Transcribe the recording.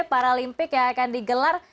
para olympic yang akan digelar